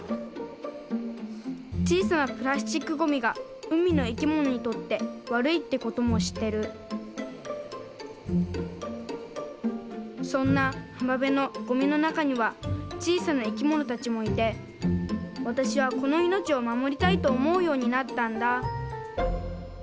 ちいさなプラスチックゴミがうみのいきものにとってわるいってこともしってるそんなはまべのゴミのなかにはちいさないきものたちもいてわたしはこのいのちをまもりたいとおもうようになったんだ